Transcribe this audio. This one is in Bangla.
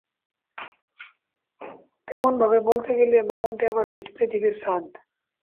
তেমন ভাবে বলতে গেলে মাউন্ট এভারেস্ট পৃথিবীর ছাদ।